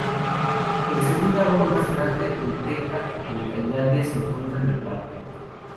El segundo árbol más grande de teca de Tailandia se encuentra en el parque.